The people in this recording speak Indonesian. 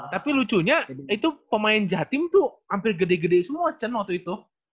tapi lucunya itu pemain jatim tuh hampir gede gede semua cen waktu itu